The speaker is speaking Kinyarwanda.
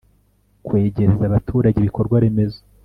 Kwegereza abaturage ibikorwaremezo